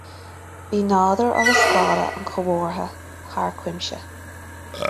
Bhí nádúr agus scála an chomórtha thar cuimse